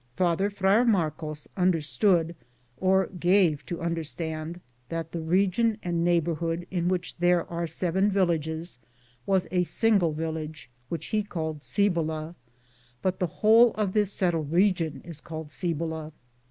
Father Friar Marcos understood, or gave to understand, that the region and neighbor hood in which there are seven villages was a single village which he called Cibola, but the whole of this settled region is called Cibola.